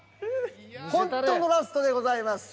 ほんとのラストでございます。